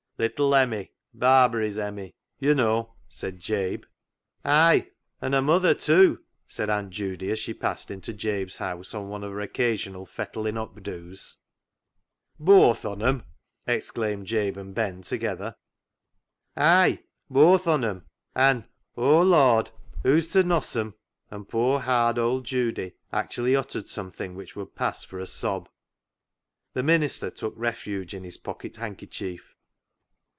"Little Emmie; Barbary's Emmie, you know," said Jabe. " Ay, and her mother too," said Aunt Judy, as she passed into Jabe's house, on one of her occasional " fettlin' up doos." 22 CLOG SHOP CHRONICLES " Booath on 'em ?" exclaimed Jabe and Ben together. " Ay, booath on 'em. An', O Lord, who's to noss 'em," and poor, hard old Judy actually uttered something which would pass for a sob. The minister took refuge in his pocket handkerchief.